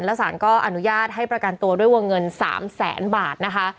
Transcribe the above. และสารก็อนุญาตให้ประกันตัวด้วยวงเงิน๓แสนบาทนะคะ